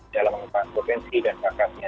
dalam mengupas provinsi dan pakatnya